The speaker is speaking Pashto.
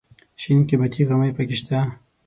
شین قیمتي غمی پکې شته.